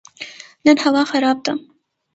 نن هوا خراب ده